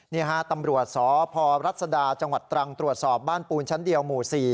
นี่ฮะตำรวจสพรัศดาจังหวัดตรังตรวจสอบบ้านปูนชั้นเดียวหมู่๔